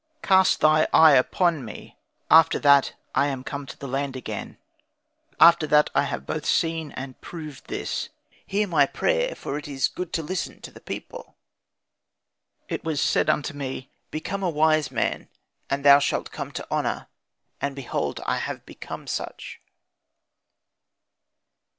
Cast thy eye upon me, after that I am come to land again, after that I have both seen and proved this. Hear my prayer, for it is good to listen to people. It was said unto me, 'Become a wise man, and thou shalt come to honour,' and behold I have become such."